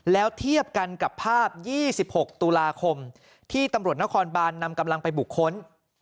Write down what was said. แล้วเทียบกันกับภาพ๒๖ตุลาคมที่ตำรวจนครบานนำกำลังไปบุคคล